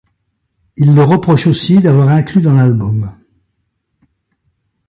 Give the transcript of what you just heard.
Il leur reproche aussi d'avoir inclus dans l'album.